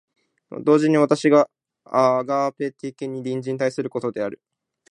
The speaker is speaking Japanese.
同時に私がアガペ的に隣人に対することである。